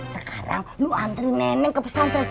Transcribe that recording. sekarang lu anterin neneng ke pesantren